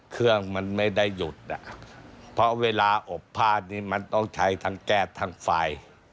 เครื่องมันไม่ได้หยุดอ่ะเพราะเวลาอบผ้านี้มันต้องใช้ทั้งแก้ทั้งไฟ